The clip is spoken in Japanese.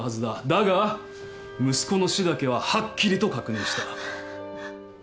だが息子の死だけははっきりと確認した